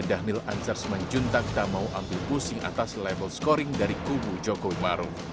dhanil ansar semenjuntak tak mau ambil pusing atas level scoring dari kubu jokowi maruf